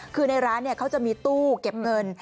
คือในร้านเขาจะมีตู้เก็บเงิน